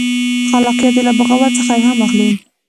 خلاقیت یې له بغاوت څخه الهام اخلي.